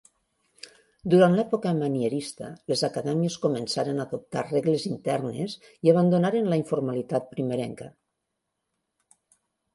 Durant l'època manierista les acadèmies començaren a adoptar regles internes i abandonaren la informalitat primerenca.